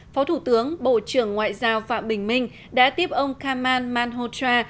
phó thủ tướng bộ trưởng ngoại giao phạm bình minh đã tiếp ông kamal manhotra